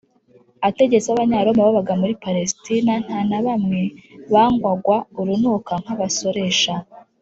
ategetsi b’abanyaroma babaga muri palesitina, nta na bamwe bangwagwa urunuka nk’abasoresha